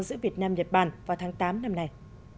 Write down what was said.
giữa việt nam nhật bản vào tháng tám năm nay